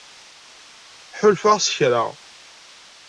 Ḥulfaɣ s kra.